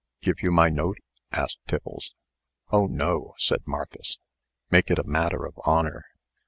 "Give you my note?" asked Tiffles. "Oh, no!" said Marcus; "make it a matter of honor."